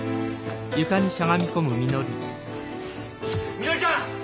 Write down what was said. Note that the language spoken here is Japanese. みのりちゃん！